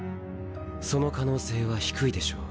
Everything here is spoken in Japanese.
その可能性は低いでしょう。